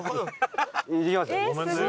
行ってきます。